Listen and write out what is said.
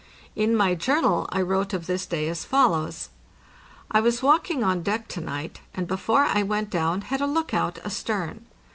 In my Journal I wrote of this day as follows: "I was walk ing on deck to night, and before I went down had a lookout astern.